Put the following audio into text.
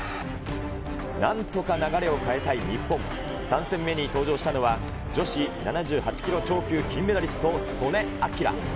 なんとか流れを変えたい日本、３戦目に登場したのは、女子７８キロ超級金メダリスト、素根輝。